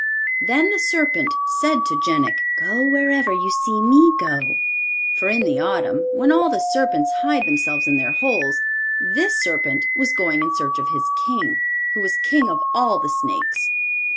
Then the serpent said to Jenik, 'Go wherever you see me go,' for in the autumn, when all the serpents hide themselves in their holes, this serpent was going in search of his king, who was king of all the snakes.